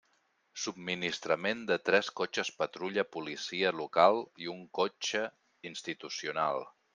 Subministrament de tres cotxes patrulla policia local i un cotxe institucional.